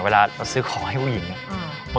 พี่อายกับพี่อ๋อมไม่ได้ครับ